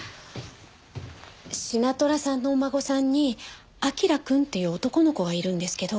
シナトラさんのお孫さんに彬くんっていう男の子がいるんですけど。